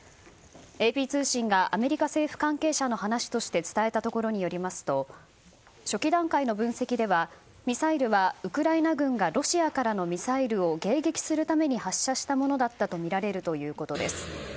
ＡＰ通信がアメリカ政府関係者の話として伝えたところによりますと初期段階の分析ではミサイルはウクライナ軍がロシアからのミサイルを迎撃するために発射したものだったとみられるということです。